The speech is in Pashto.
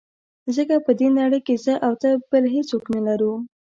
ځکه په دې نړۍ کې زه او ته بل هېڅوک نه لرو.